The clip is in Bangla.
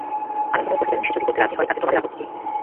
আনন্দময়ী কহিলেন, সে যদি করতে রাজি হয় তাতে তোমাদের আপত্তি কী?